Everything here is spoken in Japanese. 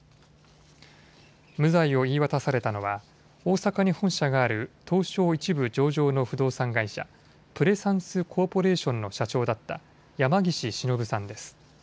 無罪を言い渡されたのは大阪に本社がある東証１部上場の不動産会社、プレサンスコーポレーションの社長だった山岸忍さんです。